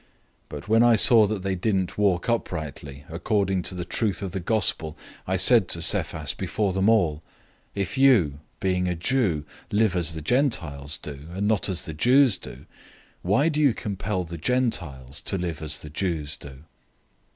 002:014 But when I saw that they didn't walk uprightly according to the truth of the Good News, I said to Peter before them all, "If you, being a Jew, live as the Gentiles do, and not as the Jews do, why do you compel the Gentiles to live as the Jews do?